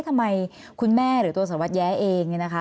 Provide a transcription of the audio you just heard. ทำไมคุณแม่หรือตัวสวรรค์แย้เอง